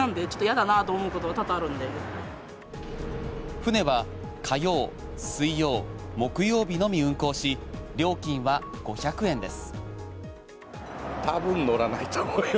船は火曜、水曜、木曜日のみ運航し料金は５００円です。